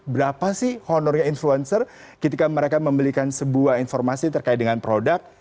berapa sih honornya influencer ketika mereka membelikan sebuah informasi terkait dengan produk